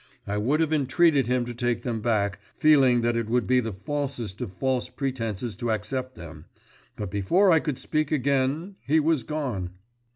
I would have entreated him to take them back, feeling that it would be the falsest of false pretences to accept them, but before I could speak again he was gone.